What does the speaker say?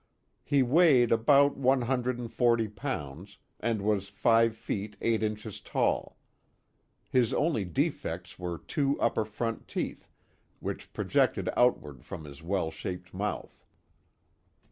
He weighed about one hundred and forty pounds, and was five feet, eight inches tall. His only defects were two upper front teeth, which projected outward from his well shaped mouth.